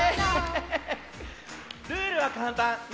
ルールはかんたん。